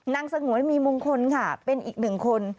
สงวนมีมงคลค่ะเป็นอีกหนึ่งคน